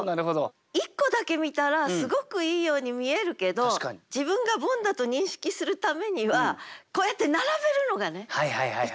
１個だけ見たらすごくいいように見えるけど自分がボンだと認識するためにはこうやって並べるのがね一番分かりやすいでしょ。